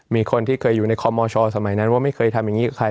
มีคนที่เคยอยู่ในคอมมชสมัยนั้นว่าไม่เคยทำอย่างนี้กับใคร